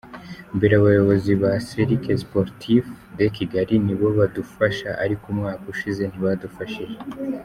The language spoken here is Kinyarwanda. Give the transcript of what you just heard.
Mbere abayobozi ba serike Siporitife de Kigali nibo badufashaga ariko umwaka ushize ntibadufashije.